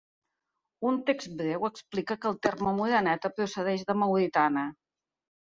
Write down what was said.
Un text breu explica que el terme moreneta procedeix de mauritana.